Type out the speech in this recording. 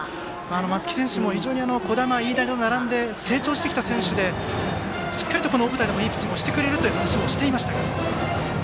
松木選手も児玉、飯田と並んで成長してきた選手でしっかりとこの大舞台でもいいピッチングをしてくれると話をしていました。